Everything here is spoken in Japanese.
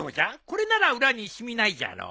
これなら裏に染みないじゃろ？